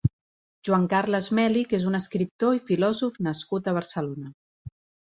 Joan-Carles Mèlich és un escriptor i filòsof nascut a Barcelona.